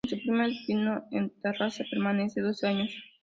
En su primer destino, en Tarrasa, permanece dos años.